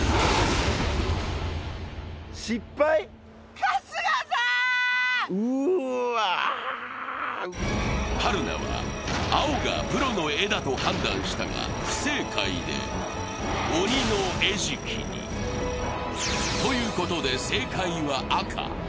春日さーん春菜は青がプロの絵だと判断したが、不正解で、鬼の餌食に。ということで正解は赤。